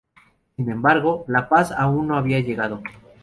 Sin embargo, la paz aún no había llegado.